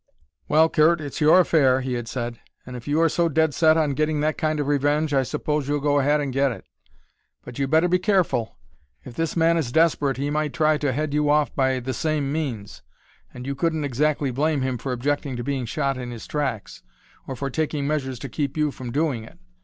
"Well, Curt, it's your affair," he had said, "and if you are so dead set on getting that kind of revenge I suppose you'll go ahead and get it. But you'd better be careful; if this man is desperate he might try to head you off by the same means. And you couldn't exactly blame him for objecting to being shot in his tracks, or for taking measures to keep you from doing it.